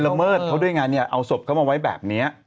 เขาปะเบิดเขาด้วยงานเนี่ยเอาศพเค้ามาไว้แบบเนี่ย